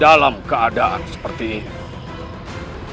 dalam keadaan seperti ini